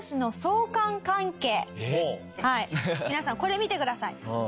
皆さんこれ見てください。